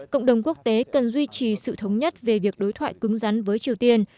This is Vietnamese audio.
cộng đồng quốc tế cần duy trì sự thống nhất về việc đối thoại cứng rắn với triều tiên